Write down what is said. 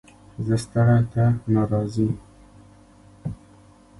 ـ زه ستړى ته ناراضي.